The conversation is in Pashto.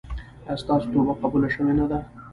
ایا ستاسو توبه قبوله شوې نه ده؟